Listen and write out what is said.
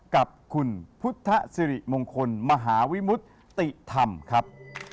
กับคุณพุทธสิริมงคลมหาวิมุติธรรมครับ